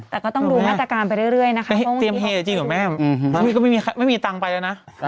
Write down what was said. แต่ก็ต้องดูหน้าตกรรมไปเรื่อยนะคะ